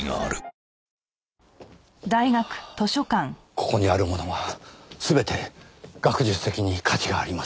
ここにあるものは全て学術的に価値があります。